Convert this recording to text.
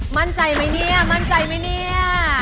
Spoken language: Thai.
มั่นใจมั้ยเนี่ยมั่นใจมั้ยเนี่ย